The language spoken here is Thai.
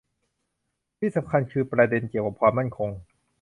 ที่สำคัญคือประเด็นเกี่ยวกับความมั่นคง